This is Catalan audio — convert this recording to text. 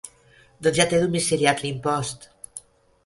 Doncs ja té domiciliat l'impost.